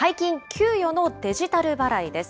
給与のデジタル払いです。